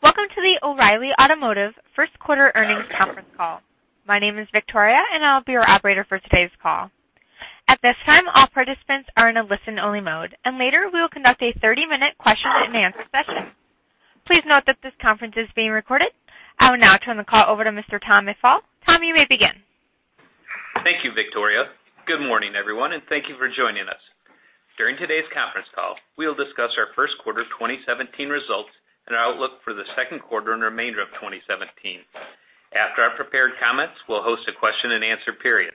Welcome to the O’Reilly Automotive first quarter earnings conference call. My name is Victoria and I'll be your operator for today's call. At this time, all participants are in a listen-only mode, and later we will conduct a 30-minute question-and-answer session. Please note that this conference is being recorded. I will now turn the call over to Mr. Tom McFall. Tom, you may begin. Thank you, Victoria. Good morning, everyone, and thank you for joining us. During today's conference call, we'll discuss our first quarter 2017 results and our outlook for the second quarter and remainder of 2017. After our prepared comments, we'll host a question-and-answer period.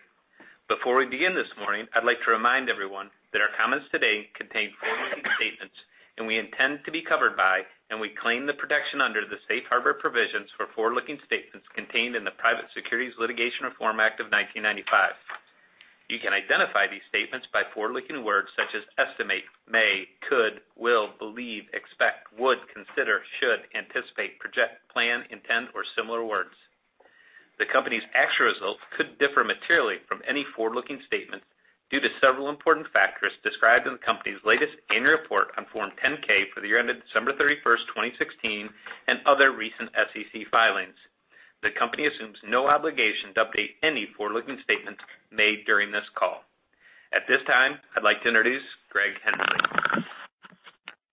Before we begin this morning, I'd like to remind everyone that our comments today contain forward-looking statements, and we intend to be covered by, and we claim the protection under, the safe harbor provisions for forward-looking statements contained in the Private Securities Litigation Reform Act of 1995. You can identify these statements by forward-looking words such as estimate, may, could, will, believe, expect, would, consider, should, anticipate, project, plan, intend, or similar words. The company's actual results could differ materially from any forward-looking statements due to several important factors described in the company's latest annual report on Form 10-K for the year ended December 31st, 2016, and other recent SEC filings. The company assumes no obligation to update any forward-looking statements made during this call. At this time, I'd like to introduce Greg Henslee.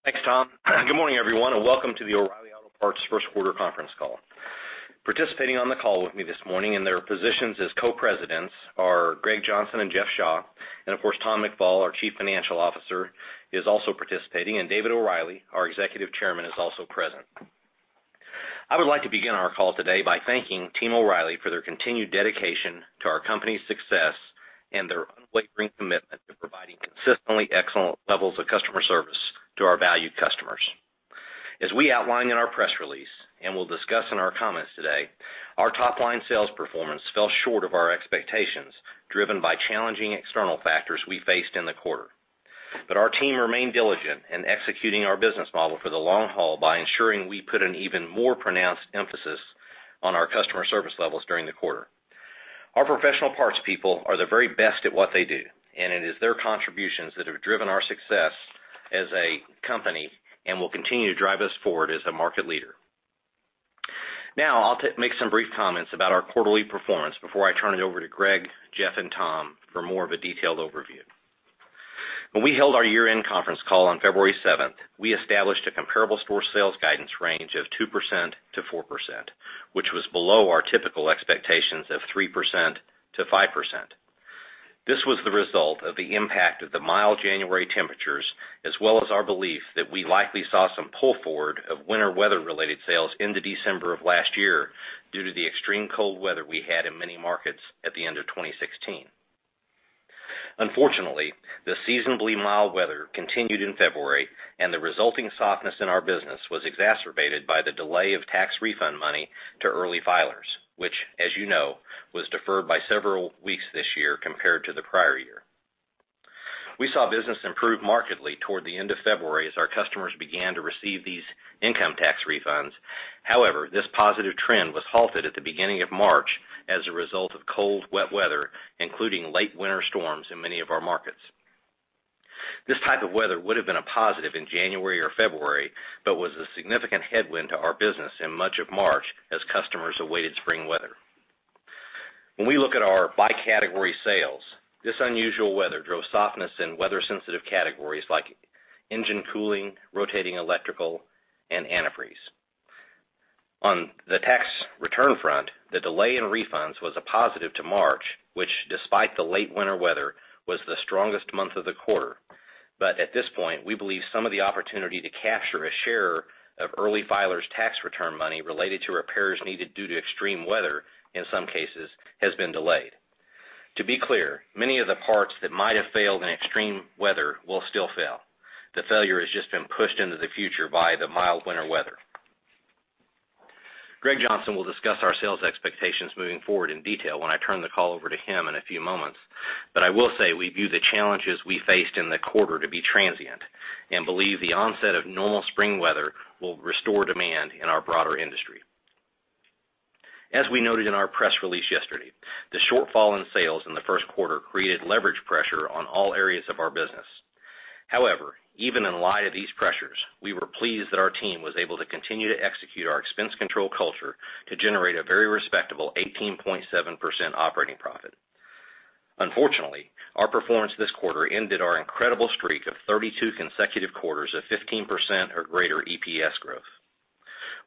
Thanks, Tom. Good morning, everyone, and welcome to the O’Reilly Auto Parts first quarter conference call. Participating on the call with me this morning in their positions as co-presidents are Greg Johnson and Jeff Shaw, and of course, Tom McFall, our Chief Financial Officer, is also participating, and David O’Reilly, our Executive Chairman, is also present. I would like to begin our call today by thanking Team O’Reilly for their continued dedication to our company's success and their unwavering commitment to providing consistently excellent levels of customer service to our valued customers. As we outlined in our press release, and will discuss in our comments today, our top-line sales performance fell short of our expectations, driven by challenging external factors we faced in the quarter. Our team remained diligent in executing our business model for the long haul by ensuring we put an even more pronounced emphasis on our customer service levels during the quarter. Our professional parts people are the very best at what they do, and it is their contributions that have driven our success as a company and will continue to drive us forward as a market leader. Now, I'll make some brief comments about our quarterly performance before I turn it over to Greg, Jeff, and Tom for more of a detailed overview. When we held our year-end conference call on February 7th, we established a comparable store sales guidance range of 2%-4%, which was below our typical expectations of 3%-5%. This was the result of the impact of the mild January temperatures, as well as our belief that we likely saw some pull forward of winter-weather-related sales into December of last year due to the extreme cold weather we had in many markets at the end of 2016. Unfortunately, the seasonably mild weather continued in February, and the resulting softness in our business was exacerbated by the delay of tax refund money to early filers, which, as you know, was deferred by several weeks this year compared to the prior year. We saw business improve markedly toward the end of February as our customers began to receive these income tax refunds. This positive trend was halted at the beginning of March as a result of cold, wet weather, including late winter storms in many of our markets. This type of weather would have been a positive in January or February, but was a significant headwind to our business in much of March as customers awaited spring weather. When we look at our by category sales, this unusual weather drove softness in weather-sensitive categories like engine cooling, rotating electrical, and antifreeze. On the tax return front, the delay in refunds was a positive to March, which, despite the late winter weather, was the strongest month of the quarter. At this point, we believe some of the opportunity to capture a share of early filers' tax return money related to repairs needed due to extreme weather, in some cases, has been delayed. To be clear, many of the parts that might have failed in extreme weather will still fail. The failure has just been pushed into the future by the mild winter weather. Greg Johnson will discuss our sales expectations moving forward in detail when I turn the call over to him in a few moments. I will say we view the challenges we faced in the quarter to be transient and believe the onset of normal spring weather will restore demand in our broader industry. As we noted in our press release yesterday, the shortfall in sales in the first quarter created leverage pressure on all areas of our business. Even in light of these pressures, we were pleased that our team was able to continue to execute our expense control culture to generate a very respectable 18.7% operating profit. Unfortunately, our performance this quarter ended our incredible streak of 32 consecutive quarters of 15% or greater EPS growth.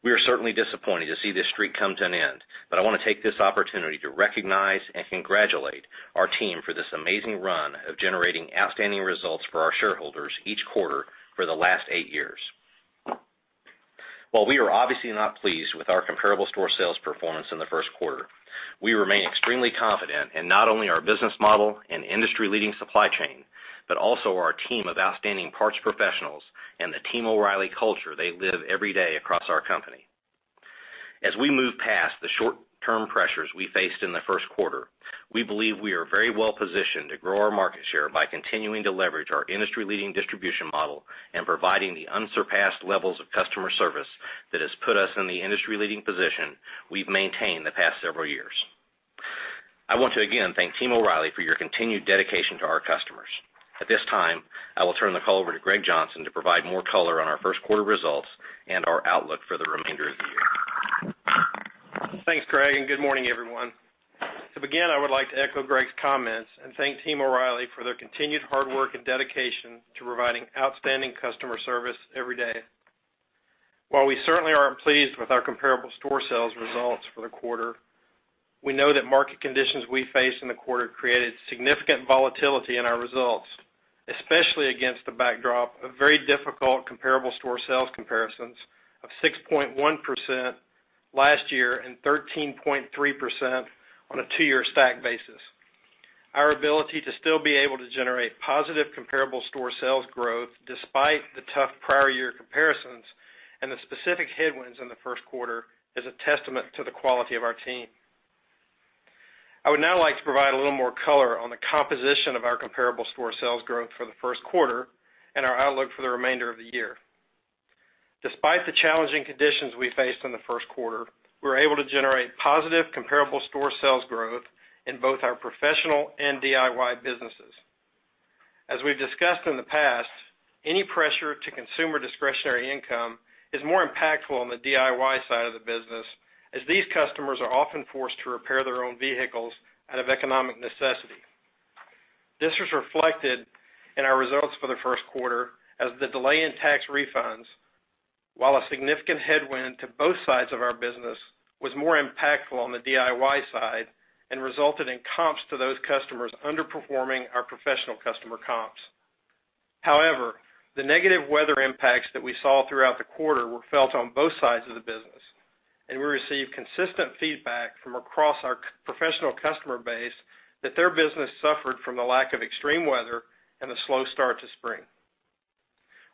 We are certainly disappointed to see this streak come to an end. I want to take this opportunity to recognize and congratulate our team for this amazing run of generating outstanding results for our shareholders each quarter for the last 8 years. While we are obviously not pleased with our comparable store sales performance in the first quarter, we remain extremely confident in not only our business model and industry-leading supply chain, but also our team of outstanding parts professionals and the Team O’Reilly culture they live every day across our company. As we move past the short-term pressures we faced in the first quarter, we believe we are very well-positioned to grow our market share by continuing to leverage our industry-leading distribution model and providing the unsurpassed levels of customer service that has put us in the industry-leading position we've maintained the past several years. I want to again thank Team O’Reilly for your continued dedication to our customers. At this time, I will turn the call over to Greg Johnson to provide more color on our first quarter results and our outlook for the remainder of the year. Thanks, Greg. Good morning, everyone. To begin, I would like to echo Greg's comments and thank Team O’Reilly for their continued hard work and dedication to providing outstanding customer service every day. While we certainly aren’t pleased with our comparable store sales results for the quarter, we know that market conditions we faced in the quarter created significant volatility in our results, especially against the backdrop of very difficult comparable store sales comparisons of 6.1% last year and 13.3% on a two-year stack basis. Our ability to still be able to generate positive comparable store sales growth despite the tough prior year comparisons and the specific headwinds in the first quarter is a testament to the quality of our team. I would now like to provide a little more color on the composition of our comparable store sales growth for the first quarter and our outlook for the remainder of the year. Despite the challenging conditions we faced in the first quarter, we were able to generate positive comparable store sales growth in both our professional and DIY businesses. As we've discussed in the past, any pressure to consumer discretionary income is more impactful on the DIY side of the business, as these customers are often forced to repair their own vehicles out of economic necessity. This was reflected in our results for the first quarter, as the delay in tax refunds, while a significant headwind to both sides of our business, was more impactful on the DIY side and resulted in comps to those customers underperforming our professional customer comps. The negative weather impacts that we saw throughout the quarter were felt on both sides of the business. We received consistent feedback from across our professional customer base that their business suffered from the lack of extreme weather and the slow start to spring.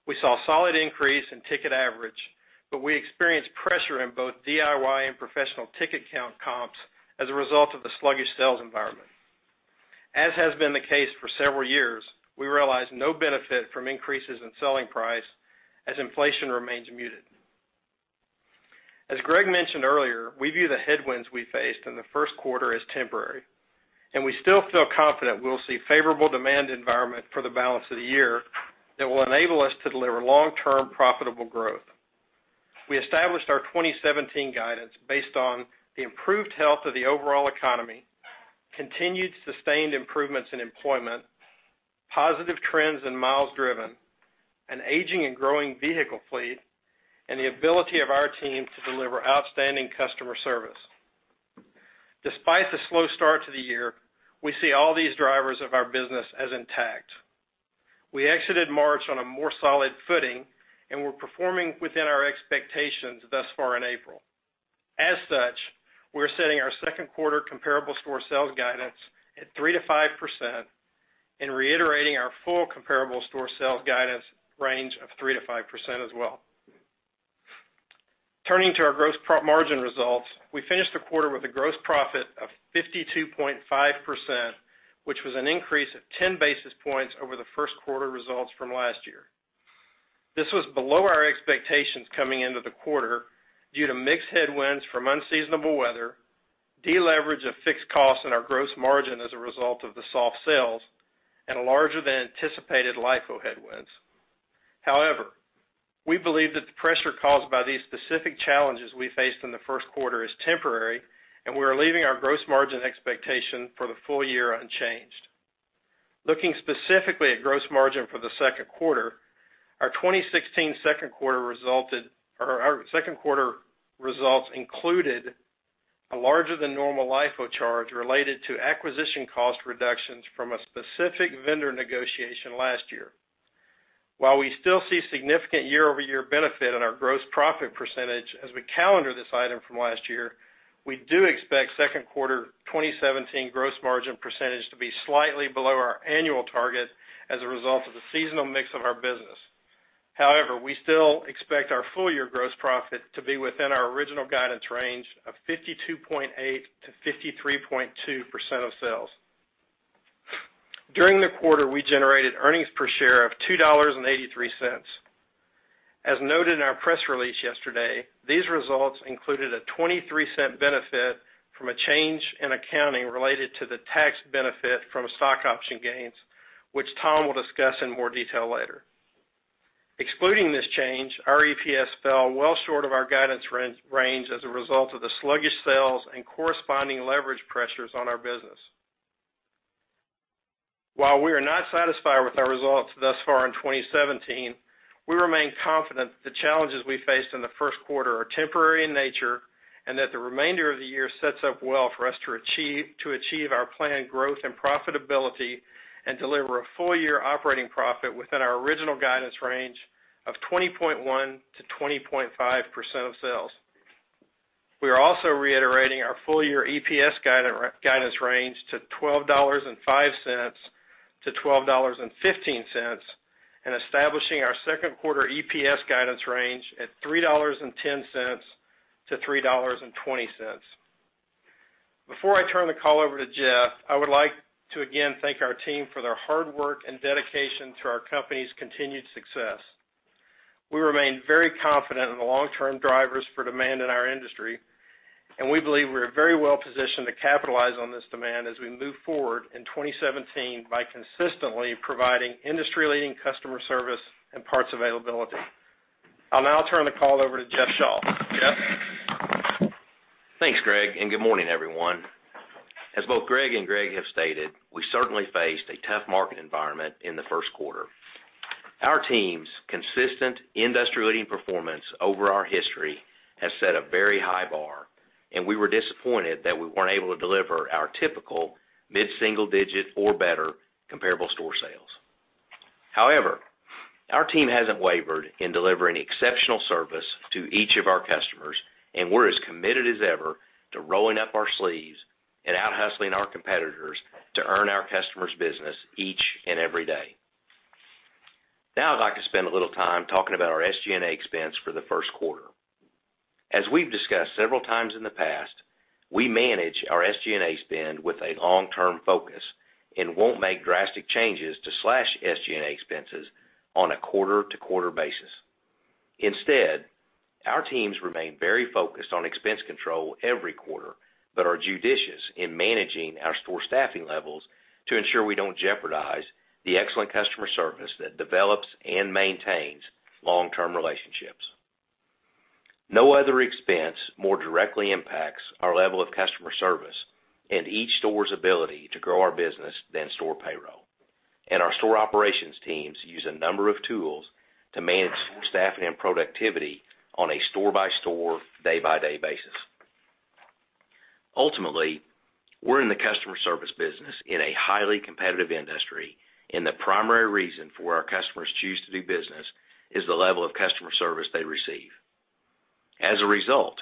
We saw a solid increase in ticket average. We experienced pressure in both DIY and professional ticket count comps as a result of the sluggish sales environment. As has been the case for several years, we realized no benefit from increases in selling price as inflation remains muted. As Greg mentioned earlier, we view the headwinds we faced in the first quarter as temporary. We still feel confident we will see a favorable demand environment for the balance of the year that will enable us to deliver long-term profitable growth. We established our 2017 guidance based on the improved health of the overall economy, continued sustained improvements in employment, positive trends in miles driven, an aging and growing vehicle fleet, the ability of our team to deliver outstanding customer service. Despite the slow start to the year, we see all these drivers of our business as intact. We exited March on a more solid footing. We're performing within our expectations thus far in April. We're setting our second quarter comparable store sales guidance at 3%-5% and reiterating our full comparable store sales guidance range of 3%-5% as well. Turning to our gross margin results, we finished the quarter with a gross profit of 52.5%, which was an increase of 10 basis points over the first quarter results from last year. This was below our expectations coming into the quarter due to mixed headwinds from unseasonable weather, deleverage of fixed costs in our gross margin as a result of the soft sales, a larger than anticipated LIFO headwinds. We believe that the pressure caused by these specific challenges we faced in the first quarter is temporary. We are leaving our gross margin expectation for the full year unchanged. Looking specifically at gross margin for the second quarter, our 2016 second quarter results included a larger than normal LIFO charge related to acquisition cost reductions from a specific vendor negotiation last year. While we still see significant year-over-year benefit in our gross profit percentage as we calendar this item from last year, we do expect second quarter 2017 gross margin percentage to be slightly below our annual target as a result of the seasonal mix of our business. We still expect our full-year gross profit to be within our original guidance range of 52.8%-53.2% of sales. During the quarter, we generated earnings per share of $2.83. As noted in our press release yesterday, these results included a $0.23 benefit from a change in accounting related to the tax benefit from stock option gains, which Tom will discuss in more detail later. Excluding this change, our EPS fell well short of our guidance range as a result of the sluggish sales and corresponding leverage pressures on our business. While we are not satisfied with our results thus far in 2017, we remain confident that the challenges we faced in the first quarter are temporary in nature, and that the remainder of the year sets up well for us to achieve our planned growth and profitability and deliver a full-year operating profit within our original guidance range of 20.1%-20.5% of sales. We are also reiterating our full-year EPS guidance range to $12.05-$12.15 and establishing our second quarter EPS guidance range at $3.10-$3.20. Before I turn the call over to Jeff, I would like to again thank our team for their hard work and dedication to our company's continued success. We remain very confident in the long-term drivers for demand in our industry, and we believe we're very well-positioned to capitalize on this demand as we move forward in 2017 by consistently providing industry-leading customer service and parts availability. I'll now turn the call over to Jeff Shaw. Jeff? Thanks, Greg, and good morning, everyone. As both Greg and Greg have stated, we certainly faced a tough market environment in the first quarter. Our team's consistent industry-leading performance over our history has set a very high bar, and we were disappointed that we weren't able to deliver our typical mid-single digit or better comparable store sales. However, our team hasn't wavered in delivering exceptional service to each of our customers, and we're as committed as ever to rolling up our sleeves and out-hustling our competitors to earn our customers' business each and every day. Now I'd like to spend a little time talking about our SG&A expense for the first quarter. As we've discussed several times in the past, we manage our SG&A spend with a long-term focus and won't make drastic changes to slash SG&A expenses on a quarter-to-quarter basis. Instead, our teams remain very focused on expense control every quarter but are judicious in managing our store staffing levels to ensure we don't jeopardize the excellent customer service that develops and maintains long-term relationships. No other expense more directly impacts our level of customer service and each store's ability to grow our business than store payroll. Our store operations teams use a number of tools to manage store staffing and productivity on a store-by-store, day-by-day basis. Ultimately, we're in the customer service business in a highly competitive industry, and the primary reason for our customers choose to do business is the level of customer service they receive. As a result,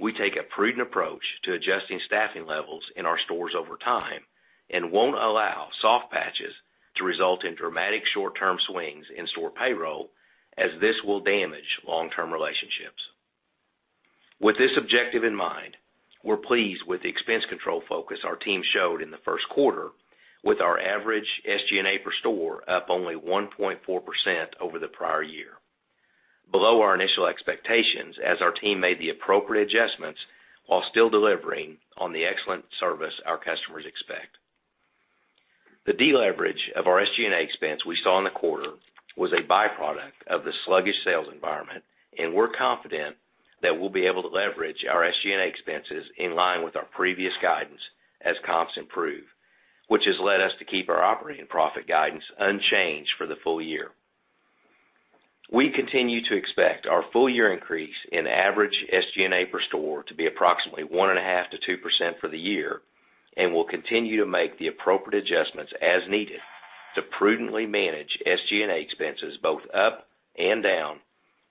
we take a prudent approach to adjusting staffing levels in our stores over time and won't allow soft patches to result in dramatic short-term swings in store payroll, as this will damage long-term relationships. With this objective in mind, we're pleased with the expense control focus our team showed in the first quarter with our average SG&A per store up only 1.4% over the prior year, below our initial expectations as our team made the appropriate adjustments while still delivering on the excellent service our customers expect. The deleverage of our SG&A expense we saw in the quarter was a byproduct of the sluggish sales environment. We're confident that we'll be able to leverage our SG&A expenses in line with our previous guidance as comps improve, which has led us to keep our operating profit guidance unchanged for the full year. We continue to expect our full-year increase in average SG&A per store to be approximately 1.5%-2% for the year. We'll continue to make the appropriate adjustments as needed to prudently manage SG&A expenses both up and down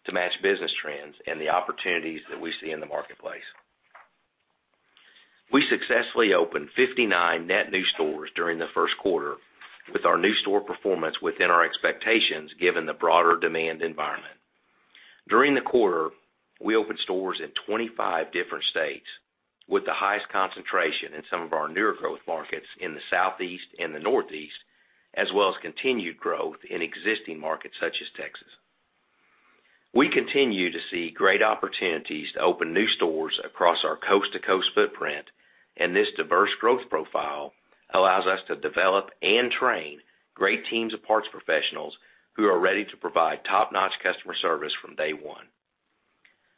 to match business trends and the opportunities that we see in the marketplace. We successfully opened 59 net new stores during the first quarter with our new store performance within our expectations given the broader demand environment. During the quarter, we opened stores in 25 different states with the highest concentration in some of our newer growth markets in the Southeast and the Northeast, as well as continued growth in existing markets such as Texas. We continue to see great opportunities to open new stores across our coast-to-coast footprint. This diverse growth profile allows us to develop and train great teams of parts professionals who are ready to provide top-notch customer service from day one.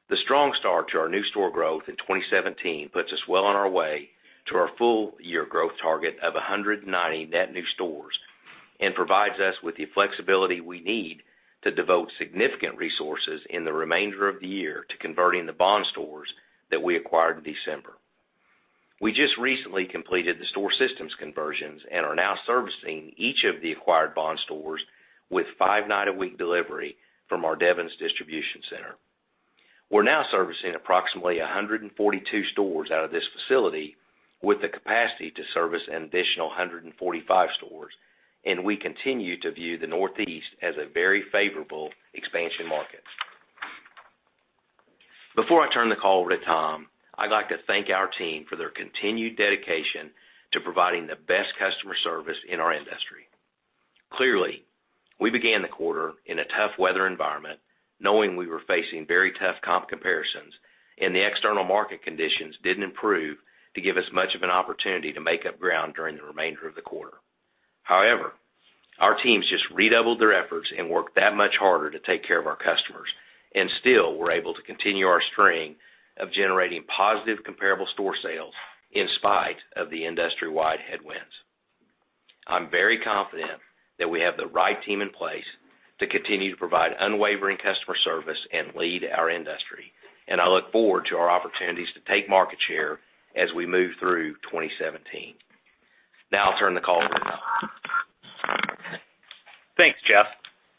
The strong start to our new store growth in 2017 puts us well on our way to our full-year growth target of 190 net new stores and provides us with the flexibility we need to devote significant resources in the remainder of the year to converting the Bond stores that we acquired in December. We just recently completed the store systems conversions and are now servicing each of the acquired Bond stores with five-night-a-week delivery from our Devens distribution center. We're now servicing approximately 142 stores out of this facility with the capacity to service an additional 145 stores. We continue to view the Northeast as a very favorable expansion market. Before I turn the call over to Tom, I'd like to thank our team for their continued dedication to providing the best customer service in our industry. Clearly, we began the quarter in a tough weather environment, knowing we were facing very tough comp comparisons. The external market conditions didn't improve to give us much of an opportunity to make up ground during the remainder of the quarter. However, our teams just redoubled their efforts and worked that much harder to take care of our customers. Still we're able to continue our string of generating positive comparable store sales in spite of the industry-wide headwinds. I'm very confident that we have the right team in place to continue to provide unwavering customer service and lead our industry, and I look forward to our opportunities to take market share as we move through 2017. I'll turn the call over to Tom. Thanks, Jeff.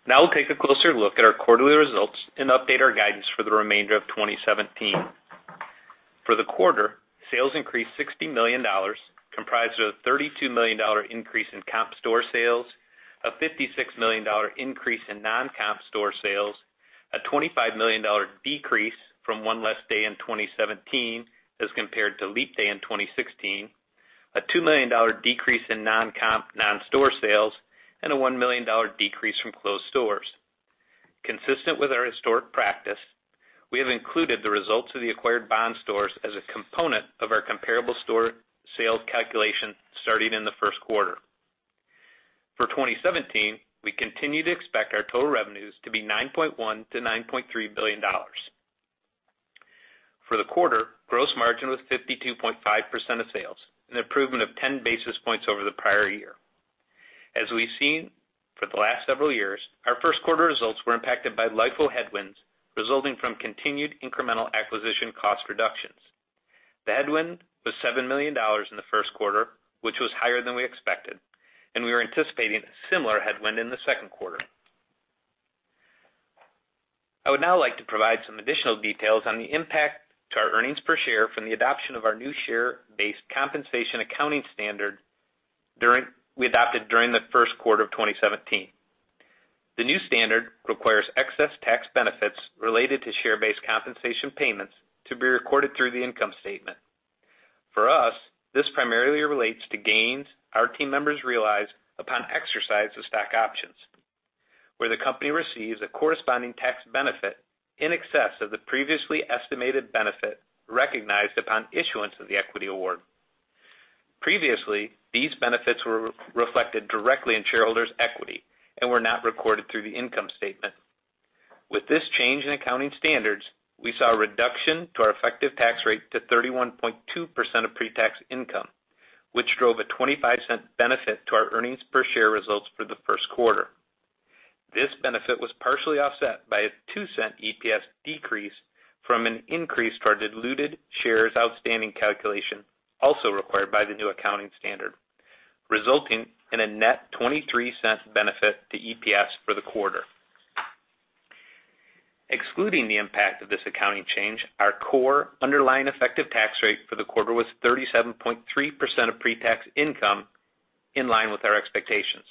We'll take a closer look at our quarterly results and update our guidance for the remainder of 2017. For the quarter, sales increased $60 million, comprised of a $32 million increase in comp store sales, a $56 million increase in non-comp store sales, a $25 million decrease from one less day in 2017 as compared to leap day in 2016, a $2 million decrease in non-comp non-store sales and a $1 million decrease from closed stores. Consistent with our historic practice, we have included the results of the acquired Bond stores as a component of our comparable store sales calculation starting in the first quarter. For 2017, we continue to expect our total revenues to be $9.1 billion-$9.3 billion. For the quarter, gross margin was 52.5% of sales, an improvement of 10 basis points over the prior year. As we've seen for the last several years, our first quarter results were impacted by LIFO headwinds resulting from continued incremental acquisition cost reductions. The headwind was $7 million in the first quarter, which was higher than we expected, and we are anticipating a similar headwind in the second quarter. I would now like to provide some additional details on the impact to our earnings per share from the adoption of our new share-based compensation accounting standard we adopted during the first quarter of 2017. The new standard requires excess tax benefits related to share-based compensation payments to be recorded through the income statement. For us, this primarily relates to gains our team members realize upon exercise of stock options, where the company receives a corresponding tax benefit in excess of the previously estimated benefit recognized upon issuance of the equity award. Previously, these benefits were reflected directly in shareholders' equity and were not recorded through the income statement. With this change in accounting standards, we saw a reduction to our effective tax rate to 31.2% of pre-tax income, which drove a $0.25 benefit to our earnings per share results for the first quarter. This benefit was partially offset by a $0.02 EPS decrease from an increase to our diluted shares outstanding calculation, also required by the new accounting standard, resulting in a net $0.23 benefit to EPS for the quarter. Excluding the impact of this accounting change, our core underlying effective tax rate for the quarter was 37.3% of pre-tax income, in line with our expectations.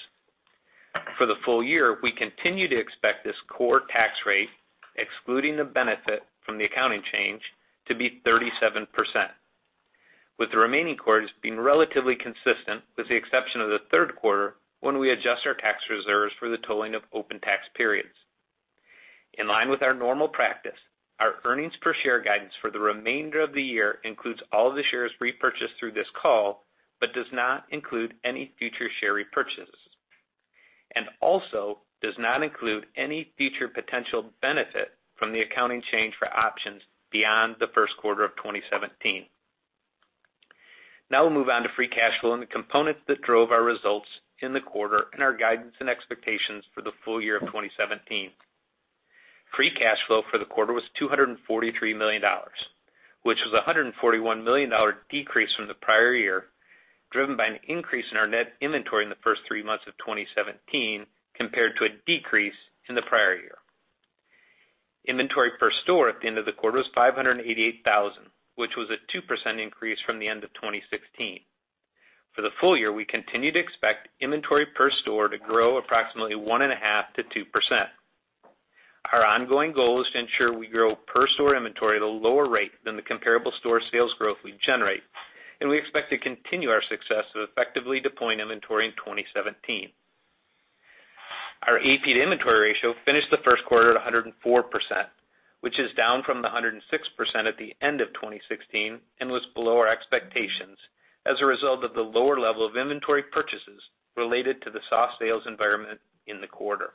For the full year, we continue to expect this core tax rate, excluding the benefit from the accounting change, to be 37%, with the remaining quarters being relatively consistent with the exception of the third quarter, when we adjust our tax reserves for the tolling of open tax periods. In line with our normal practice, our earnings per share guidance for the remainder of the year includes all the shares repurchased through this call but does not include any future share repurchases and also does not include any future potential benefit from the accounting change for options beyond the first quarter of 2017. We'll move on to free cash flow and the components that drove our results in the quarter and our guidance and expectations for the full year of 2017. Free cash flow for the quarter was $243 million, which was a $141 million decrease from the prior year, driven by an increase in our net inventory in the first three months of 2017 compared to a decrease in the prior year. Inventory per store at the end of the quarter was $588,000, which was a 2% increase from the end of 2016. For the full year, we continue to expect inventory per store to grow approximately 1.5%-2%. Our ongoing goal is to ensure we grow per store inventory at a lower rate than the comparable store sales growth we generate, and we expect to continue our success of effectively deploying inventory in 2017. Our AP to inventory ratio finished the first quarter at 104%, which is down from the 106% at the end of 2016 and was below our expectations as a result of the lower level of inventory purchases related to the soft sales environment in the quarter.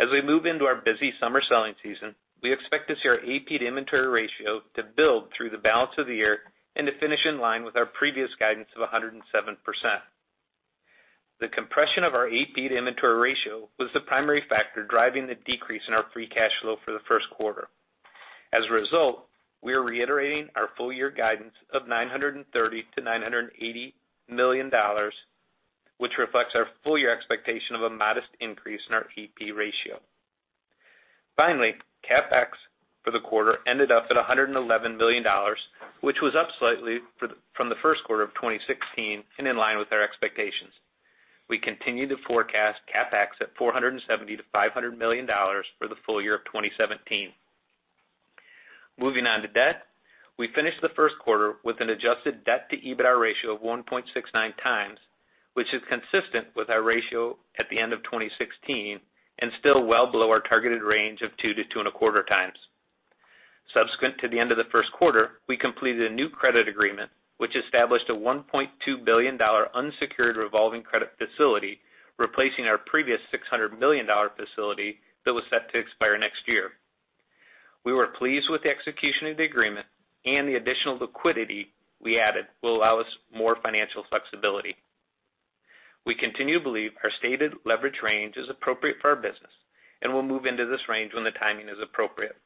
As we move into our busy summer selling season, we expect to see our AP to inventory ratio to build through the balance of the year and to finish in line with our previous guidance of 107%. The compression of our AP to inventory ratio was the primary factor driving the decrease in our free cash flow for the first quarter. As a result, we are reiterating our full year guidance of $930 million-$980 million, which reflects our full year expectation of a modest increase in our AP ratio. Finally, CapEx for the quarter ended up at $111 million, which was up slightly from the first quarter of 2016 and in line with our expectations. We continue to forecast CapEx at $470 million-$500 million for the full year of 2017. Moving on to debt. We finished the first quarter with an adjusted debt-to-EBITDA ratio of 1.69 times, which is consistent with our ratio at the end of 2016 and still well below our targeted range of two to two and a quarter times. Subsequent to the end of the first quarter, we completed a new credit agreement, which established a $1.2 billion unsecured revolving credit facility, replacing our previous $600 million facility that was set to expire next year. We were pleased with the execution of the agreement and the additional liquidity we added will allow us more financial flexibility. We continue to believe our stated leverage range is appropriate for our business, and we'll move into this range when the timing is appropriate.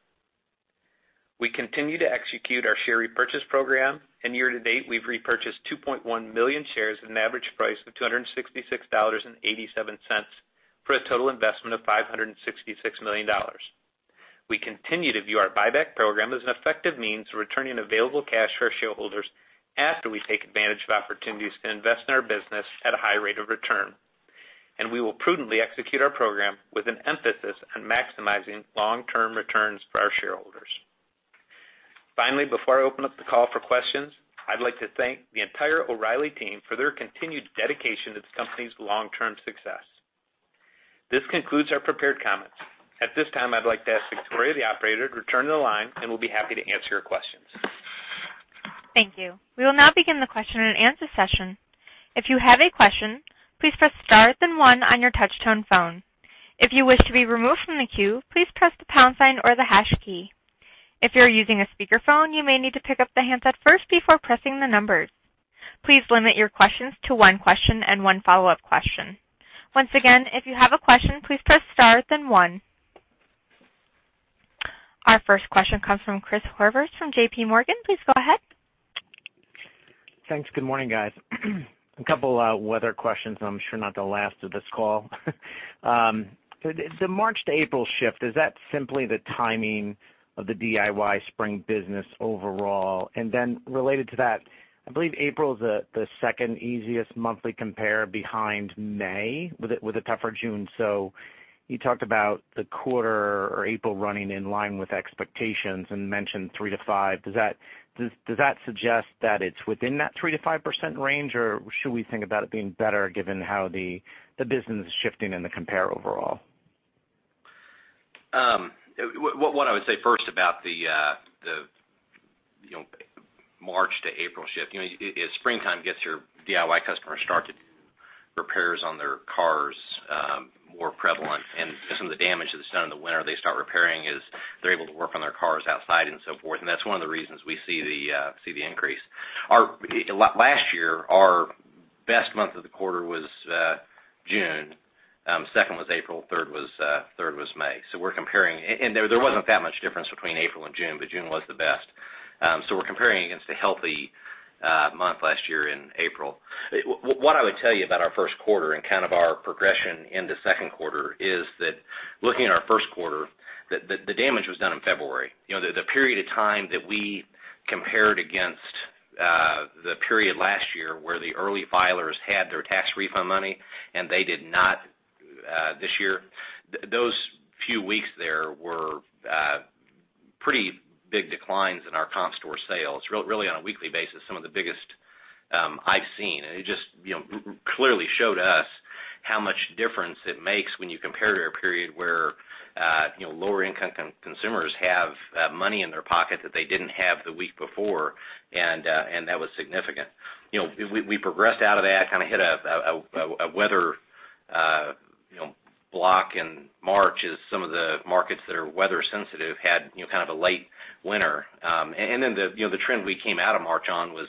We continue to execute our share repurchase program, and year to date, O'Reilly's repurchased 2.1 million shares at an average price of $266.87 for a total investment of $566 million. We continue to view our buyback program as an effective means of returning available cash for our shareholders after we take advantage of opportunities to invest in our business at a high rate of return. We will prudently execute our program with an emphasis on maximizing long-term returns for our shareholders. Finally, before I open up the call for questions, I'd like to thank the entire O'Reilly team for their continued dedication to the company's long-term success. This concludes our prepared comments. At this time, I'd like to ask Victoria, the Operator, to return to the line, and we'll be happy to answer your questions. Thank you. We will now begin the question and answer session. If you have a question, please press star, then one on your touch-tone phone. If you wish to be removed from the queue, please press the pound sign or the hash key. If you're using a speakerphone, you may need to pick up the handset first before pressing the numbers. Please limit your questions to one question and one follow-up question. Once again, if you have a question, please press star, then one. Our first question comes from Chris Horvers from JPMorgan. Please go ahead. Thanks. Good morning, guys. A couple of weather questions, and I'm sure not the last of this call. The March to April shift, is that simply the timing of the DIY spring business overall? Related to that, I believe April is the second easiest monthly compare behind May, with a tougher June. You talked about the quarter or April running in line with expectations and mentioned 3%-5%. Does that suggest that it's within that 3%-5% range, or should we think about it being better given how the business is shifting and the compare overall? What I would say first about the March to April shift, as springtime gets your DIY customers start to do repairs on their cars, more prevalent and some of the damage that's done in the winter, they start repairing is they're able to work on their cars outside and so forth. That's one of the reasons we see the increase. Last year, our best month of the quarter was June. Second was April, third was May. We're comparing, and there wasn't that much difference between April and June, but June was the best. We're comparing against a healthy month last year in April. What I would tell you about our first quarter and kind of our progression in the second quarter is that looking at our first quarter, the damage was done in February. The period of time that we compared against the period last year where the early filers had their tax refund money and they did not this year. Those few weeks, there were pretty big declines in our comp store sales, really on a weekly basis, some of the biggest I've seen. It just clearly showed us how much difference it makes when you compare to a period where lower-income consumers have money in their pocket that they didn't have the week before, and that was significant. We progressed out of that, kind of hit a weather block in March as some of the markets that are weather sensitive had a late winter. The trend we came out of March on was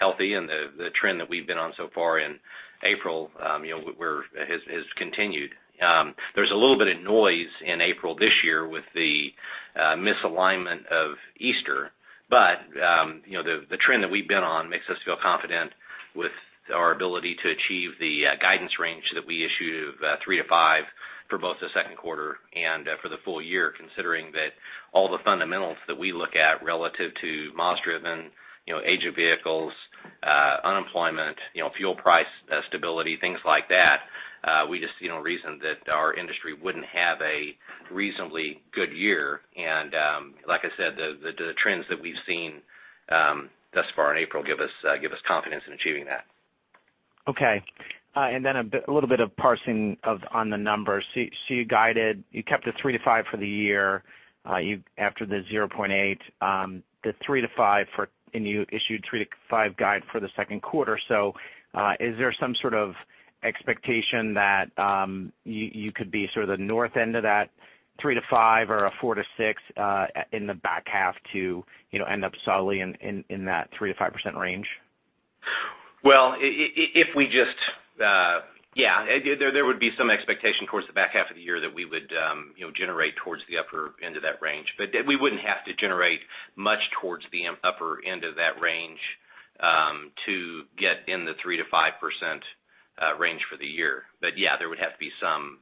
healthy and the trend that we've been on so far in April has continued. There's a little bit of noise in April this year with the misalignment of Easter. The trend that we've been on makes us feel confident with our ability to achieve the guidance range that we issued of 3% to 5% for both the second quarter and for the full year, considering that all the fundamentals that we look at relative to miles driven, age of vehicles, unemployment, fuel price stability, things like that. We just reason that our industry wouldn't have a reasonably good year. Like I said, the trends that we've seen thus far in April give us confidence in achieving that. Okay. A little bit of parsing on the numbers. You guided, you kept it 3% to 5% for the year after the 0.8%. The 3% to 5% for and you issued 3% to 5% guide for the second quarter. Is there some sort of expectation that you could be sort of the north end of that 3% to 5% or a 4% to 6% in the back half to end up solidly in that 3% to 5% range? Yeah, there would be some expectation towards the back half of the year that we would generate towards the upper end of that range. We wouldn't have to generate much towards the upper end of that range to get in the 3%-5% range for the year. Yeah, there would have to be some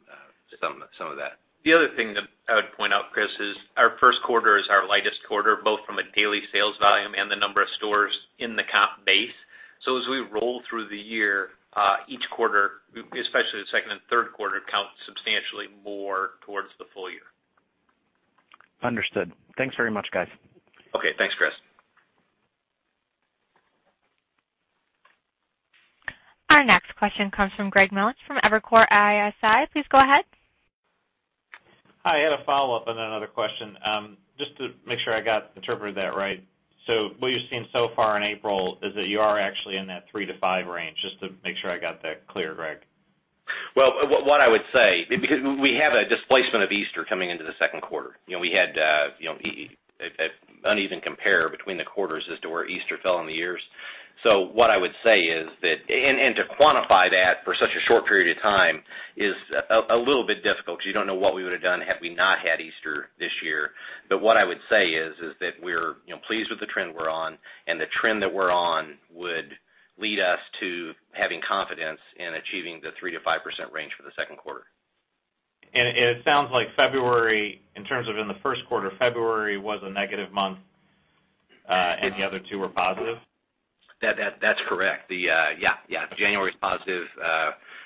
of that. The other thing that I would point out, Chris, is our first quarter is our lightest quarter, both from a daily sales volume and the number of stores in the comp base. As we roll through the year, each quarter, especially the second and third quarter, count substantially more towards the full year. Understood. Thanks very much, guys. Okay. Thanks, Chris. Our next question comes from Greg Melich from Evercore ISI. Please go ahead. Hi. I had a follow-up and another question. Just to make sure I interpreted that right. What you're seeing so far in April is that you are actually in that 3%-5% range, just to make sure I got that clear, Greg. Well, what I would say, because we have a displacement of Easter coming into the second quarter. We had an uneven compare between the quarters as to where Easter fell in the years. What I would say is that, and to quantify that for such a short period of time is a little bit difficult because you don't know what we would have done had we not had Easter this year. What I would say is that we're pleased with the trend we're on, and the trend that we're on would lead us to having confidence in achieving the 3%-5% range for the second quarter. It sounds like February, in terms of in the first quarter, February was a negative month And the other two were positive? That's correct. Yeah. January's positive,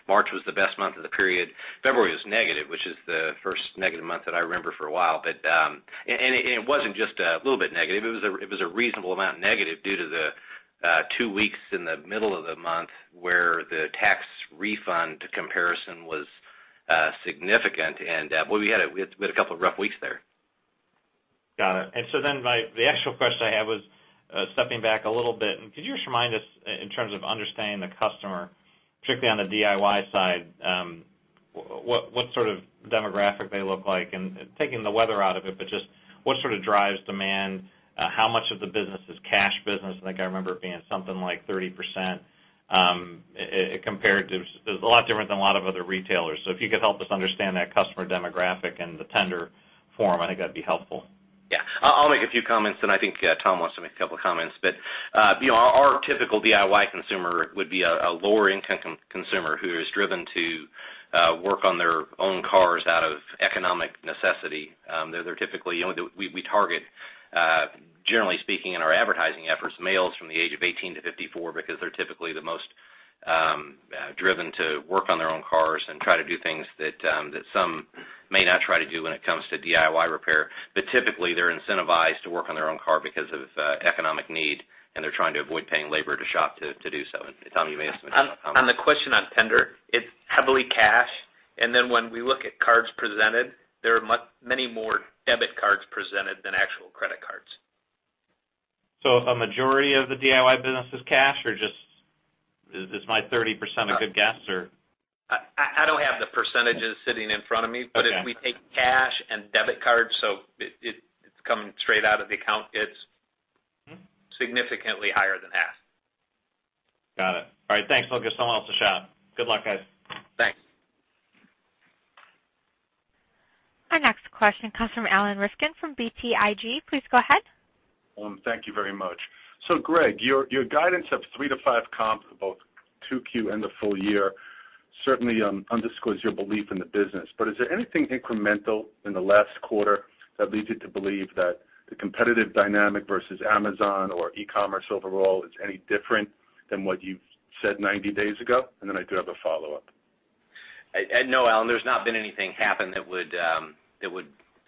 March was the best month of the period. February was negative, which is the first negative month that I remember for a while. It wasn't just a little bit negative, it was a reasonable amount negative due to the two weeks in the middle of the month where the tax refund comparison was significant, and we had a couple of rough weeks there. Got it. The actual question I have was, stepping back a little bit, could you just remind us in terms of understanding the customer, particularly on the DIY side, what sort of demographic they look like, and taking the weather out of it, but just what sort of drives demand, how much of the business is cash business? I think I remember it being something like 30% compared to, it's a lot different than a lot of other retailers. If you could help us understand that customer demographic and the tender form, I think that'd be helpful. Yeah. I'll make a few comments then I think Tom wants to make a couple of comments. Our typical DIY consumer would be a lower income consumer who is driven to work on their own cars out of economic necessity. We target, generally speaking in our advertising efforts, males from the age of 18 to 54 because they're typically the most driven to work on their own cars and try to do things that some may not try to do when it comes to DIY repair. Typically, they're incentivized to work on their own car because of economic need, and they're trying to avoid paying labor at a shop to do so. Tom, you may have some comments. On the question on tender, it's heavily cash. When we look at cards presented, there are many more debit cards presented than actual credit cards. A majority of the DIY business is cash or just is my 30% a good guess, or? I don't have the percentages sitting in front of me. Okay If we take cash and debit cards, so it's coming straight out of the account, it's significantly higher than half. Got it. All right, thanks. I'll give someone else a shot. Good luck, guys. Thanks. Our next question comes from Alan Rifkin from BTIG. Please go ahead. Thank you very much. Greg, your guidance of three to five comps for both 2Q and the full year certainly underscores your belief in the business. Is there anything incremental in the last quarter that leads you to believe that the competitive dynamic versus Amazon or e-commerce overall is any different than what you've said 90 days ago? Then I do have a follow-up. No, Alan, there's not been anything happen that would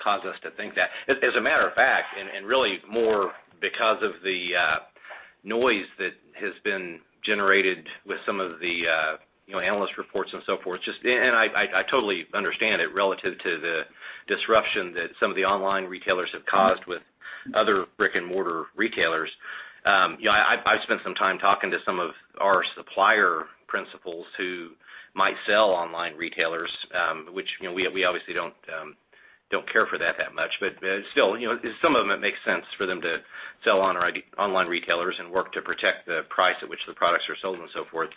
cause us to think that. As a matter of fact, really more because of the noise that has been generated with some of the analyst reports and so forth, I totally understand it relative to the disruption that some of the online retailers have caused with other brick and mortar retailers. I've spent some time talking to some of our supplier principals who might sell online retailers, which we obviously don't care for that much, but still, some of them, it makes sense for them to sell on online retailers and work to protect the price at which the products are sold and so forth.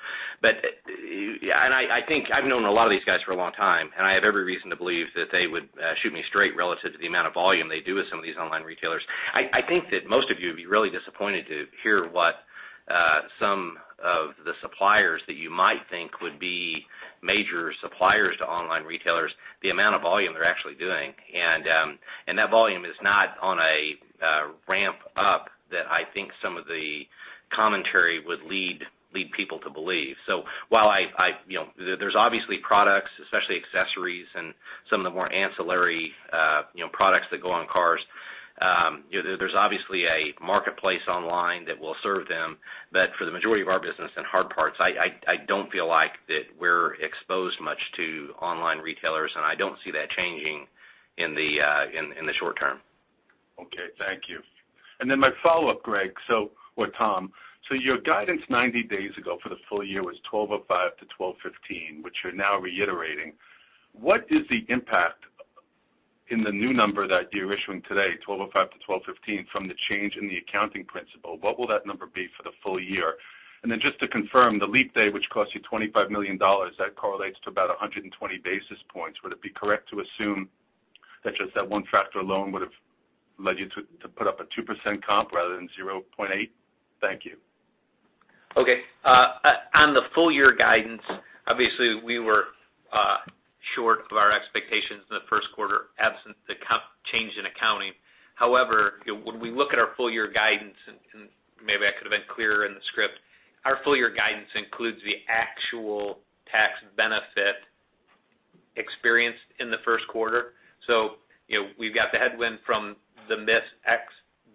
I've known a lot of these guys for a long time, I have every reason to believe that they would shoot me straight relative to the amount of volume they do with some of these online retailers. I think that most of you would be really disappointed to hear what some of the suppliers that you might think would be major suppliers to online retailers, the amount of volume they're actually doing. That volume is not on a ramp up that I think some of the commentary would lead people to believe. While there's obviously products, especially accessories and some of the more ancillary products that go on cars, there's obviously a marketplace online that will serve them. For the majority of our business in hard parts, I don't feel like that we're exposed much to online retailers, I don't see that changing in the short term. Okay. Thank you. My follow-up, Greg or Tom. Your guidance 90 days ago for the full year was $12.05-$12.15, which you're now reiterating. What is the impact in the new number that you're issuing today, $12.05-$12.15, from the change in the accounting principle? What will that number be for the full year? Just to confirm, the leap day, which cost you $25 million, that correlates to about 120 basis points. Would it be correct to assume that just that one factor alone would have led you to put up a 2% comp rather than 0.8%? Thank you. Okay. On the full year guidance, obviously, we were short of our expectations in the first quarter, absent the change in accounting. However, when we look at our full year guidance, and maybe I could have been clearer in the script, our full year guidance includes the actual tax benefit experienced in the first quarter. We've got the headwind from the miss, X,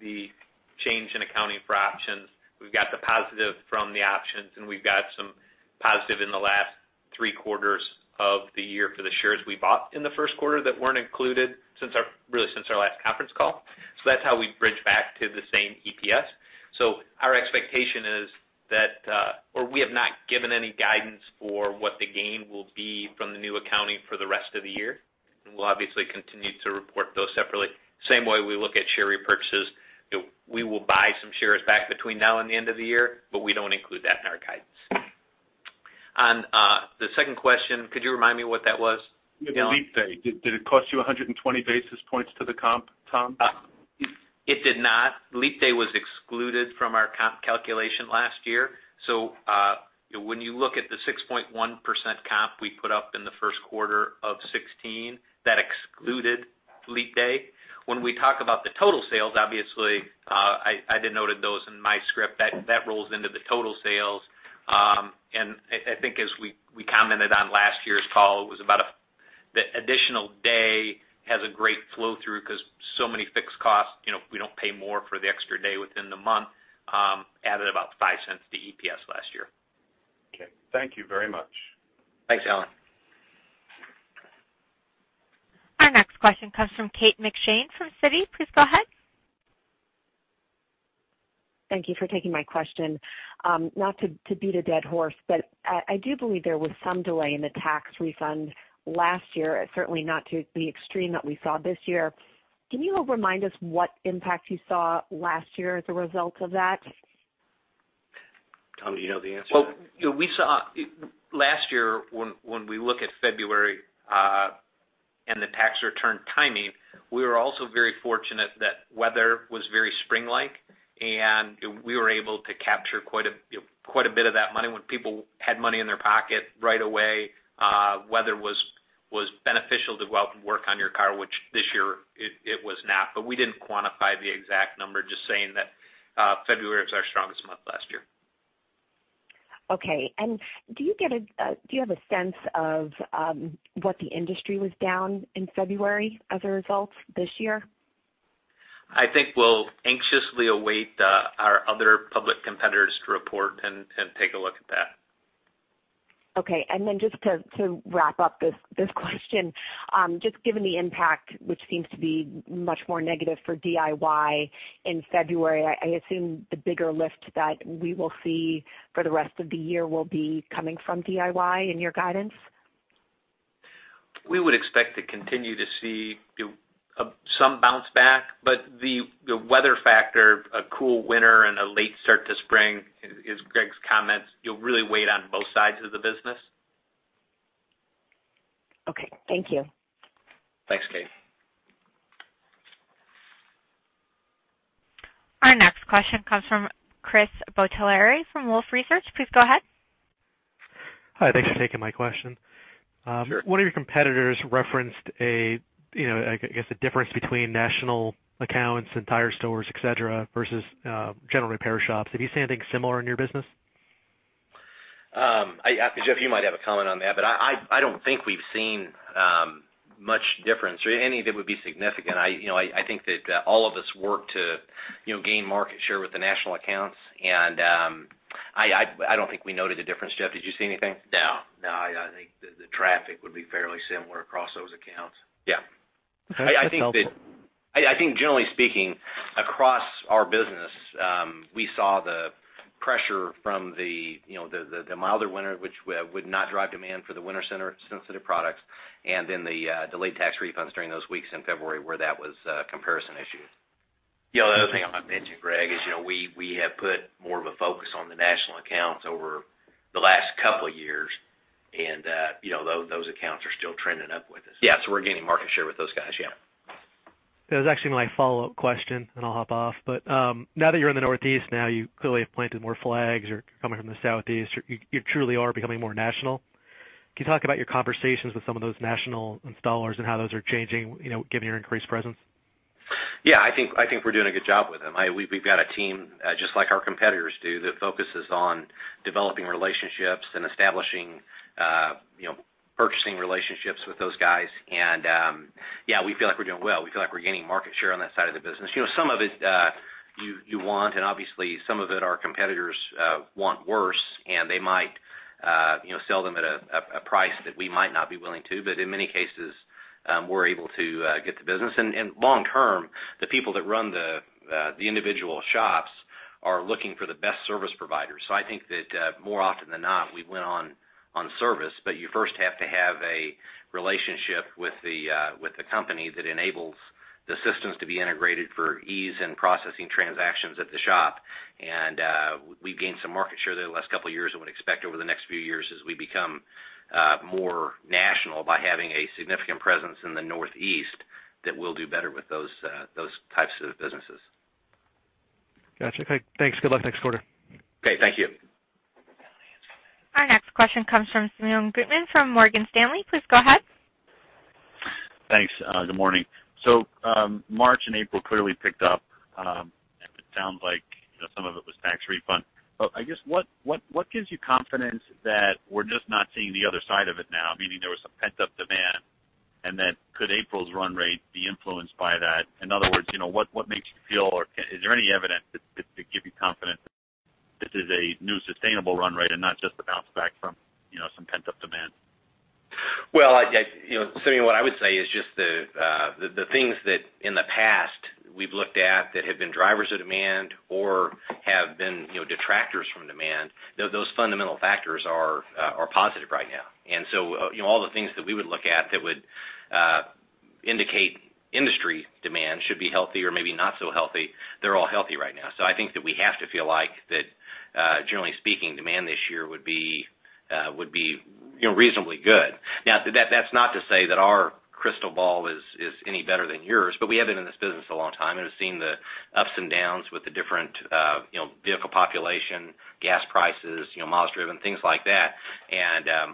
the change in accounting for options. We've got the positive from the options, and we've got some positive in the last three quarters of the year for the shares we bought in the first quarter that weren't included really since our last conference call. That's how we bridge back to the same EPS. Our expectation is that, or we have not given any guidance for what the gain will be from the new accounting for the rest of the year, and we'll obviously continue to report those separately. Same way we look at share repurchases. We will buy some shares back between now and the end of the year, but we don't include that in our guidance. On the second question, could you remind me what that was, Alan? The leap day, did it cost you 120 basis points to the comp, Tom? It did not. Leap day was excluded from our comp calculation last year. When you look at the 6.1% comp we put up in the first quarter of 2016, that excluded leap day. When we talk about the total sales, obviously, I denoted those in my script. That rolls into the total sales. I think as we commented on last year's call, it was about the additional day has a great flow-through because so many fixed costs. We don't pay more for the extra day within the month, added about $0.05 to EPS last year. Okay. Thank you very much. Thanks, Alan. Our next question comes from Kate McShane from Citi. Please go ahead. Thank you for taking my question. Not to beat a dead horse, I do believe there was some delay in the tax refund last year, certainly not to the extreme that we saw this year. Can you remind us what impact you saw last year as a result of that? Tom, do you know the answer to that? Well, we saw last year when we look at February, the tax return timing, we were also very fortunate that weather was very spring-like, and we were able to capture quite a bit of that money when people had money in their pocket right away. Weather was beneficial to go out and work on your car, which this year it was not. We didn't quantify the exact number, just saying that February was our strongest month last year. Okay. Do you have a sense of what the industry was down in February as a result this year? I think we'll anxiously await our other public competitors to report and take a look at that. Okay, just to wrap up this question, just given the impact, which seems to be much more negative for DIY in February, I assume the bigger lift that we will see for the rest of the year will be coming from DIY in your guidance? We would expect to continue to see some bounce back, the weather factor, a cool winter and a late start to spring is Greg's comments. You'll really wait on both sides of the business. Okay. Thank you. Thanks, Kate. Our next question comes from Chris Bottiglieri from Wolfe Research. Please go ahead. Hi. Thanks for taking my question. Sure. One of your competitors referenced a, I guess a difference between national accounts and tire stores, et cetera, versus general repair shops. Have you seen anything similar in your business? Jeff, you might have a comment on that, I don't think we've seen much difference or any that would be significant. I think that all of us work to gain market share with the national accounts, I don't think we noted a difference. Jeff, did you see anything? No, I think the traffic would be fairly similar across those accounts. Yeah. All right. That's helpful. I think generally speaking, across our business, we saw the pressure from the milder winter, which would not drive demand for the winter sensitive products and then the delayed tax refunds during those weeks in February where that was a comparison issue. The other thing I might mention, Greg, is we have put more of a focus on the national accounts over the last couple of years, and those accounts are still trending up with us. Yeah. We're gaining market share with those guys. Yeah. That was actually my follow-up question, and I'll hop off. Now that you're in the Northeast, now you clearly have planted more flags. You're coming from the Southeast. You truly are becoming more national. Can you talk about your conversations with some of those national installers and how those are changing, given your increased presence? Yeah, I think we're doing a good job with them. We've got a team, just like our competitors do, that focuses on developing relationships and establishing purchasing relationships with those guys. Yeah, we feel like we're doing well. We feel like we're gaining market share on that side of the business. Some of it, you want, and obviously some of it our competitors want worse, and they might sell them at a price that we might not be willing to. In many cases, we're able to get the business. Long term, the people that run the individual shops are looking for the best service providers. I think that more often than not, we win on service, but you first have to have a relationship with the company that enables the systems to be integrated for ease and processing transactions at the shop. We've gained some market share there the last couple of years and would expect over the next few years as we become more national by having a significant presence in the Northeast, that we'll do better with those types of businesses. Got you. Okay. Thanks. Good luck next quarter. Okay. Thank you. Our next question comes from Simeon Gutman from Morgan Stanley. Please go ahead. Thanks. Good morning. March and April clearly picked up. It sounds like some of it was tax refund. I guess what gives you confidence that we're just not seeing the other side of it now, meaning there was some pent-up demand, and that could April's run rate be influenced by that? In other words, what makes you feel, or is there any evidence that could give you confidence that this is a new sustainable run rate and not just a bounce back from some pent-up demand? Well, Simeon, what I would say is just the things that in the past we've looked at that have been drivers of demand or have been detractors from demand, those fundamental factors are positive right now. All the things that we would look at that would indicate industry demand should be healthy or maybe not so healthy, they're all healthy right now. I think that we have to feel like that Generally speaking, demand this year would be reasonably good. That's not to say that our crystal ball is any better than yours, we have been in this business a long time and have seen the ups and downs with the different vehicle population, gas prices, miles driven, things like that.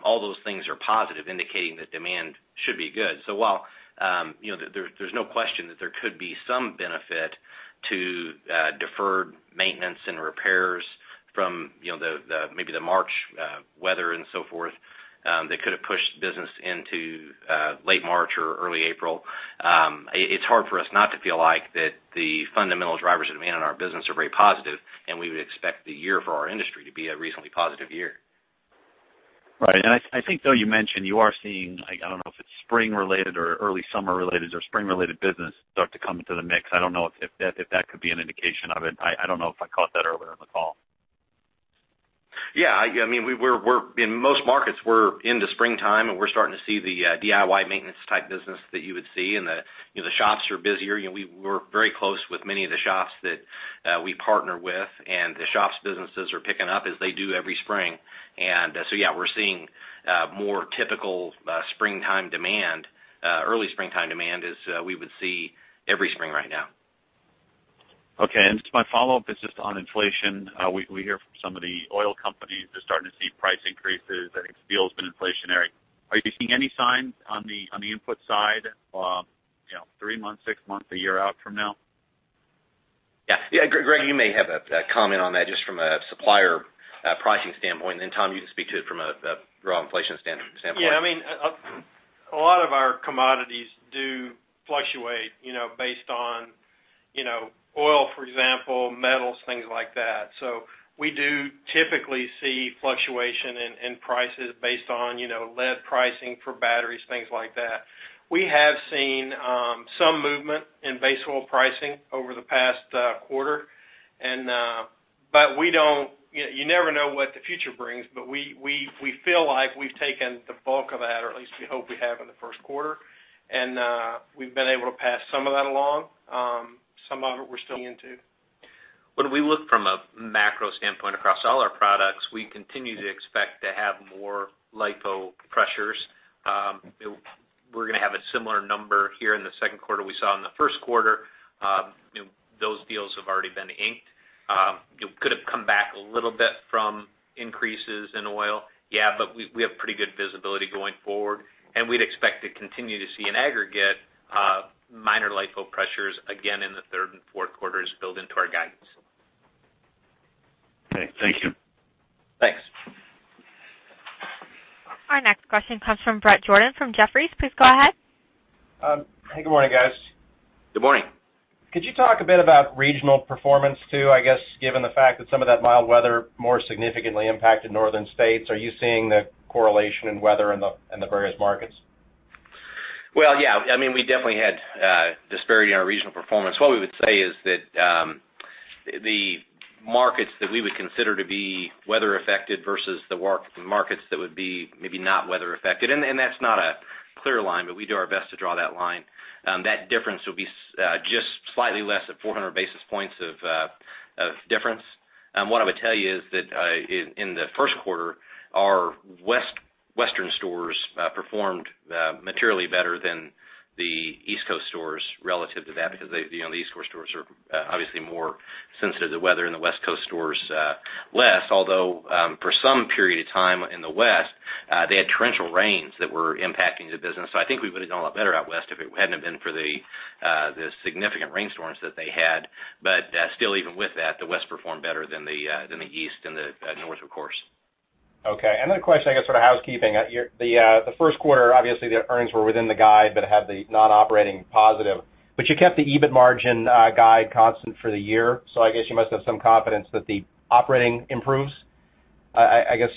All those things are positive, indicating that demand should be good. While there's no question that there could be some benefit to deferred maintenance and repairs from maybe the March weather and so forth, that could have pushed business into late March or early April. It's hard for us not to feel like that the fundamental drivers of demand in our business are very positive, and we would expect the year for our industry to be a reasonably positive year. Right. I think though you mentioned you are seeing, I don't know if it's spring related or early summer related or spring related business start to come into the mix. I don't know if that could be an indication of it. I don't know if I caught that earlier in the call. Yeah. In most markets, we're in the springtime, we're starting to see the DIY maintenance type business that you would see, the shops are busier. We work very close with many of the shops that we partner with, the shops' businesses are picking up as they do every spring. Yeah, we're seeing more typical springtime demand, early springtime demand as we would see every spring right now. Okay. Just my follow-up is just on inflation. We hear from some of the oil companies they're starting to see price increases, it feels been inflationary. Are you seeing any signs on the input side three months, six months, one year out from now? Yeah. Greg, you may have a comment on that just from a supplier pricing standpoint, then Tom, you can speak to it from a raw inflation standpoint. Yeah. A lot of our commodities do fluctuate based on oil, for example, metals, things like that. We do typically see fluctuation in prices based on lead pricing for batteries, things like that. We have seen some movement in base oil pricing over the past quarter. You never know what the future brings, but we feel like we've taken the bulk of that, or at least we hope we have in the first quarter. We've been able to pass some of that along. Some of it we're still into. When we look from a macro standpoint across all our products, we continue to expect to have more LIFO pressures. We're going to have a similar number here in the second quarter we saw in the first quarter. Those deals have already been inked. Could have come back a little bit from increases in oil, yeah, we have pretty good visibility going forward, and we'd expect to continue to see in aggregate, minor LIFO pressures again in the third and fourth quarters built into our guidance. Okay. Thank you. Thanks. Our next question comes from Bret Jordan from Jefferies. Please go ahead. Hey, good morning, guys. Good morning. Could you talk a bit about regional performance, too? I guess given the fact that some of that mild weather more significantly impacted northern states, are you seeing the correlation in weather in the various markets? Well, yeah. We definitely had disparity in our regional performance. What we would say is that the markets that we would consider to be weather affected versus the markets that would be maybe not weather affected, and that's not a clear line, but we do our best to draw that line. That difference will be just slightly less at 400 basis points of difference. What I would tell you is that in the first quarter, our Western stores performed materially better than the East Coast stores relative to that, because the East Coast stores are obviously more sensitive to weather and the West Coast stores less, although, for some period of time in the West, they had torrential rains that were impacting the business. I think we would've done a lot better out west if it hadn't been for the significant rainstorms that they had. Still even with that, the West performed better than the East and the North, of course. Another question, I guess for the housekeeping. The first quarter, obviously the earnings were within the guide, but had the non-operating positive. You kept the EBIT margin guide constant for the year. I guess you must have some confidence that the operating improves. I guess,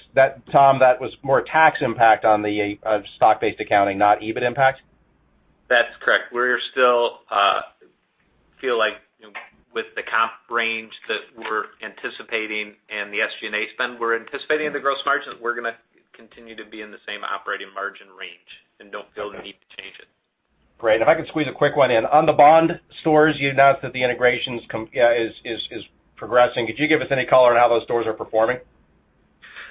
Tom, that was more tax impact on the stock-based accounting, not EBIT impact? That's correct. We still feel like with the comp range that we're anticipating and the SG&A spend we're anticipating in the gross margins, we're going to continue to be in the same operating margin range and don't feel the need to change it. If I could squeeze a quick one in. On the Bond stores, you announced that the integration is progressing. Could you give us any color on how those stores are performing?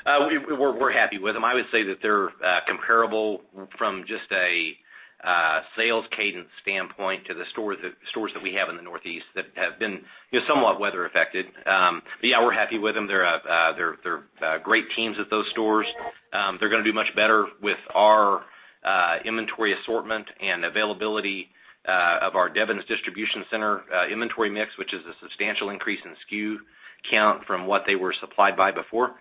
We're happy with them. I would say that they're comparable from just a sales cadence standpoint to the stores that we have in the Northeast that have been somewhat weather affected. Yeah, we're happy with them. They're great teams at those stores. They're going to do much better with our inventory assortment and availability of our Devens distribution center inventory mix, which is a substantial increase in SKU count from what they were supplied by before.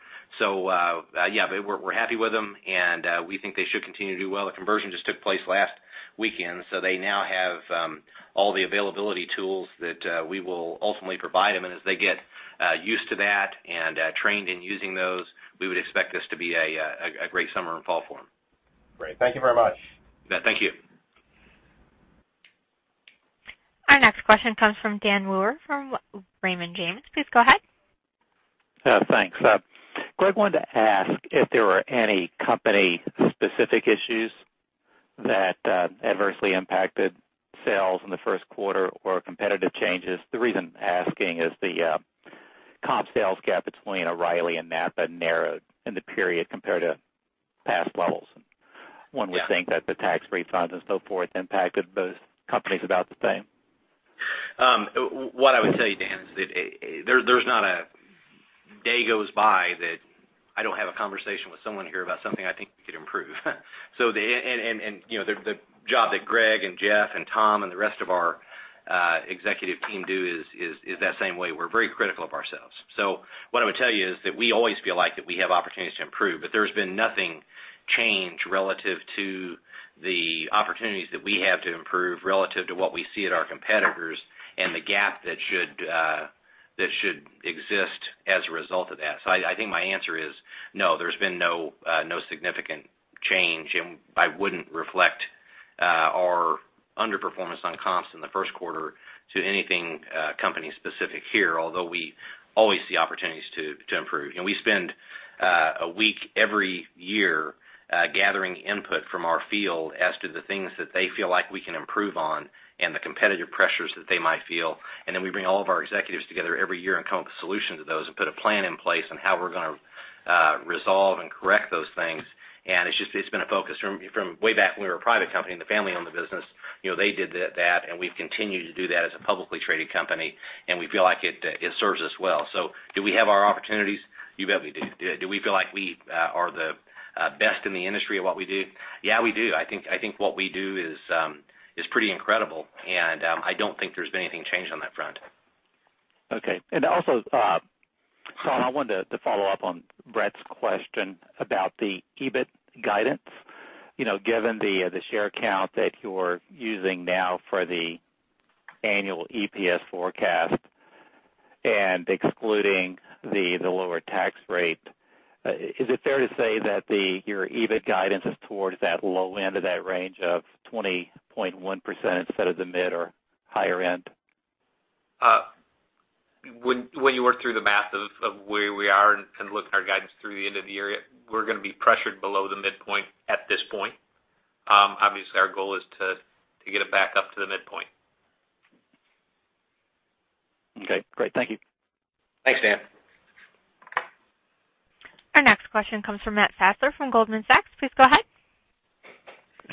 Yeah, we're happy with them, and we think they should continue to do well. The conversion just took place last weekend. They now have all the availability tools that we will ultimately provide them, and as they get used to that and trained in using those, we would expect this to be a great summer and fall for them. Great. Thank you very much. Thank you. Our next question comes from Dan Wewer from Raymond James. Please go ahead. Thanks. Greg, wanted to ask if there were any company specific issues That adversely impacted sales in the first quarter or competitive changes. The reason I'm asking is the comp sales gap between O’Reilly and NAPA narrowed in the period compared to past levels. Yeah. One would think that the tax refunds and so forth impacted both companies about the same. What I would tell you, Dan, is that there's not a day goes by that I don't have a conversation with someone here about something I think we could improve. The job that Greg and Jeff and Tom and the rest of our executive team do is that same way. We're very critical of ourselves. What I would tell you is that we always feel like that we have opportunities to improve, but there's been nothing change relative to the opportunities that we have to improve relative to what we see at our competitors and the gap that should exist as a result of that. I think my answer is no, there's been no significant change, and I wouldn't reflect our underperformance on comps in the first quarter to anything company specific here, although we always see opportunities to improve. We spend a week every year gathering input from our field as to the things that they feel like we can improve on and the competitive pressures that they might feel. Then we bring all of our executives together every year and come up with solutions to those and put a plan in place on how we're going to resolve and correct those things. It's been a focus from way back when we were a private company and the family-owned the business, they did that, and we've continued to do that as a publicly traded company, and we feel like it serves us well. Do we have our opportunities? You bet we do. Do we feel like we are the best in the industry at what we do? Yeah, we do. I think what we do is pretty incredible, and I don't think there's been anything changed on that front. Okay. Also, Tom, I wanted to follow up on Bret's question about the EBIT guidance. Given the share count that you're using now for the annual EPS forecast and excluding the lower tax rate, is it fair to say that your EBIT guidance is towards that low end of that range of 20.1% instead of the mid or higher end? When you work through the math of where we are and look at our guidance through the end of the year, we're going to be pressured below the midpoint at this point. Obviously, our goal is to get it back up to the midpoint. Okay, great. Thank you. Thanks, Dan. Our next question comes from Matt Fassler from Goldman Sachs. Please go ahead.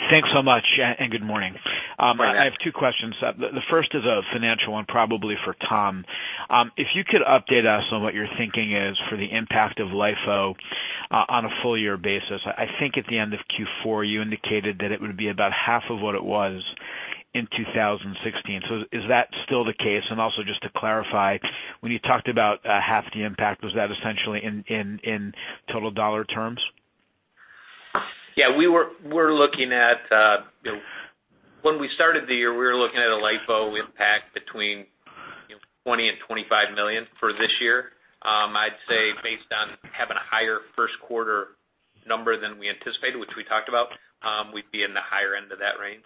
Thanks so much. Good morning. Good morning. I have two questions. The first is a financial one, probably for Tom. If you could update us on what your thinking is for the impact of LIFO on a full-year basis. I think at the end of Q4, you indicated that it would be about half of what it was in 2016. Is that still the case? Also just to clarify, when you talked about half the impact, was that essentially in total dollar terms? When we started the year, we were looking at a LIFO impact between $20 million-$25 million for this year. I'd say based on having a higher first quarter number than we anticipated, which we talked about, we'd be in the higher end of that range.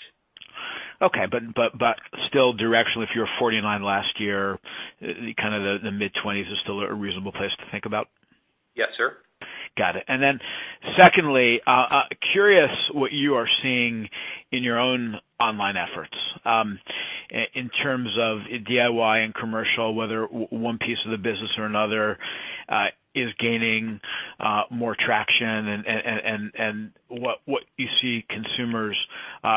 Okay. Still directionally, if you were $49 last year, kind of the mid-$20 is still a reasonable place to think about? Yes, sir. Got it. Secondly, curious what you are seeing in your own online efforts in terms of DIY and commercial, whether one piece of the business or another is gaining more traction and what you see consumers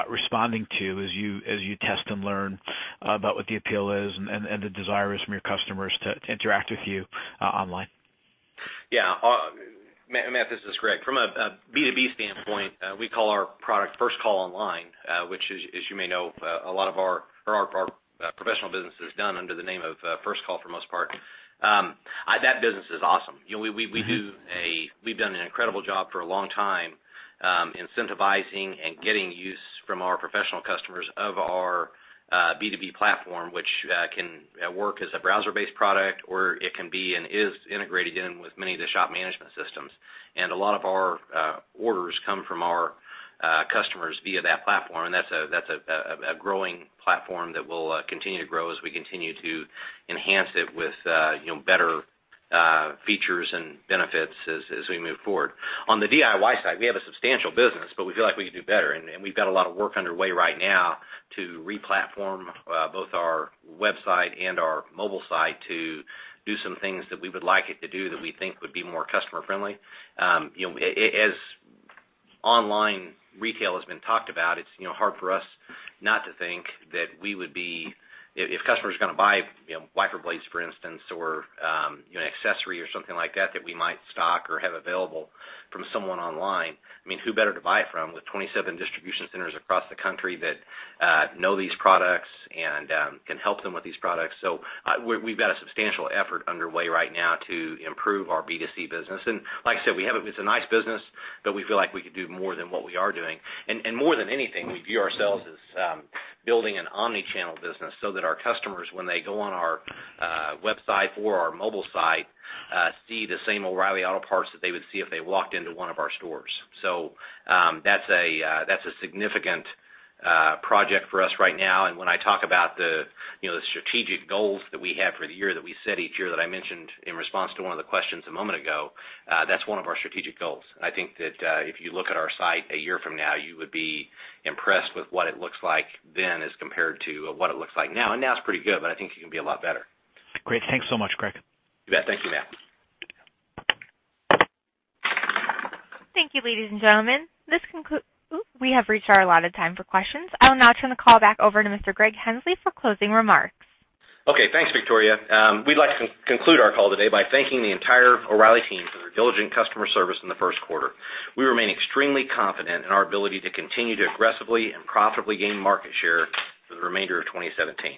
responding to as you test and learn about what the appeal is and the desire is from your customers to interact with you online. Yeah. Matt, this is Greg. From a B2B standpoint, we call our product First Call Online, which as you may know, a lot of our professional business is done under the name of First Call for the most part. That business is awesome. We've done an incredible job for a long time incentivizing and getting use from our professional customers of our B2B platform, which can work as a browser-based product, or it can be and is integrated in with many of the shop management systems. A lot of our orders come from our customers via that platform. That's a growing platform that will continue to grow as we continue to enhance it with better features and benefits as we move forward. On the DIY side, we have a substantial business, but we feel like we can do better, and we've got a lot of work underway right now to re-platform both our website and our mobile site to do some things that we would like it to do that we think would be more customer-friendly. As online retail has been talked about, it's hard for us not to think that if customers are going to buy wiper blades, for instance, or an accessory or something like that we might stock or have available from someone online, I mean, who better to buy it from with 27 distribution centers across the country that know these products and can help them with these products? We've got a substantial effort underway right now to improve our B2C business. Like I said, it's a nice business, we feel like we could do more than what we are doing. More than anything, we view ourselves as building an omni-channel business so that our customers, when they go on our website or our mobile site, see the same O’Reilly Auto Parts that they would see if they walked into one of our stores. That's a significant project for us right now. When I talk about the strategic goals that we have for the year that we set each year that I mentioned in response to one of the questions a moment ago, that's one of our strategic goals. I think that if you look at our site a year from now, you would be impressed with what it looks like then as compared to what it looks like now. Now it's pretty good, I think it can be a lot better. Great. Thanks so much, Greg. You bet. Thank you, Matt. Thank you, ladies and gentlemen. We have reached our allotted time for questions. I will now turn the call back over to Mr. Greg Henslee for closing remarks. Okay. Thanks, Victoria. We'd like to conclude our call today by thanking the entire O’Reilly team for their diligent customer service in the first quarter. We remain extremely confident in our ability to continue to aggressively and profitably gain market share for the remainder of 2017.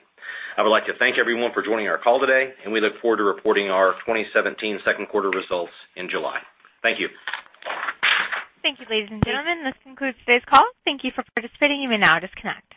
I would like to thank everyone for joining our call today, and we look forward to reporting our 2017 second quarter results in July. Thank you. Thank you, ladies and gentlemen. This concludes today's call. Thank you for participating. You may now disconnect.